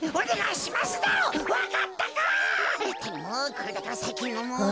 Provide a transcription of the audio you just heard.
これだからさいきんのもんは。